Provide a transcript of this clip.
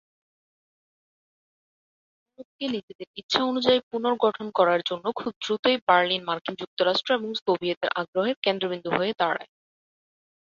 ইউরোপকে নিজেদের ইচ্ছা অনুযায়ী পুনর্গঠন করার জন্য খুব দ্রুতই বার্লিন মার্কিন যুক্তরাষ্ট্র ও সোভিয়েতের আগ্রহের কেন্দ্রবিন্দু হয়ে দাঁড়ায়।